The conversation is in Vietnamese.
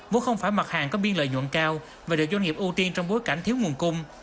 vốn không phải mặt hàng có biên lợi nhuận cao và được doanh nghiệp ưu tiên trong bối cảnh thiếu nguồn cung